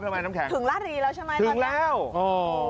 ถึงราศรีแล้วใช่ไหมตอนนี้ครับถึงแล้วโธ่